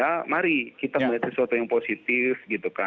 ya mari kita melihat sesuatu yang positif